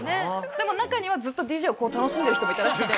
でも中にはずっとＤＪをこう楽しんでる人もいたらしくて。